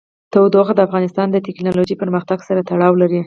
تودوخه د افغانستان د تکنالوژۍ پرمختګ سره تړاو لري.